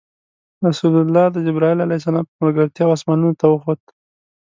رسول الله د جبرایل ع په ملګرتیا اسمانونو ته وخوت.